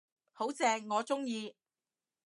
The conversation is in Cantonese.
好正，我鍾意